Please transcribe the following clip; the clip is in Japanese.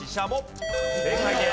正解です。